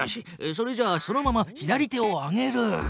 それじゃあそのまま左手を上げる。